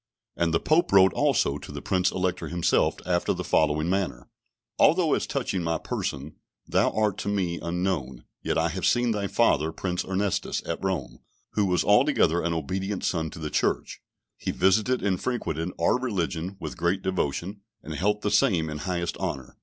And the Pope wrote also to the Prince Elector himself after the following manner: "Although, as touching my person, thou art to me unknown, yet I have seen thy father, Prince Ernestus, at Rome, who was altogether an obedient son to the Church; he visited and frequented our religion with great devotion, and held the same in highest honour.